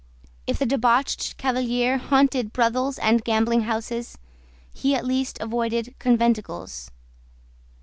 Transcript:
If the debauched Cavalier haunted brothels and gambling houses, he at least avoided conventicles.